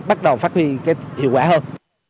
bắt đầu phát huy hiệu quả hơn